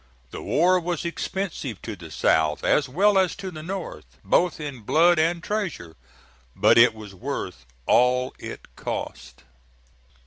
The war was expensive to the South as well as to the North, both in blood and treasure, but it was worth all it cost.